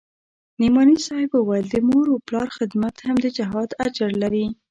نعماني صاحب وويل د مور و پلار خدمت هم د جهاد اجر لري.